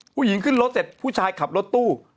ผู้หญิงขึ้นรถเสร็จผู้ชายขับรถตู้